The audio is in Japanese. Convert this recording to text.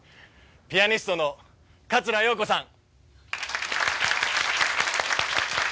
ピアニストの桂陽子さん。